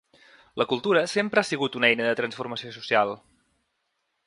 La cultura sempre ha sigut una eina de transformació social.